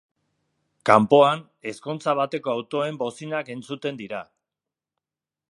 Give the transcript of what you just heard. Kanpoan, ezkontza bateko autoen bozinak entzuten dira.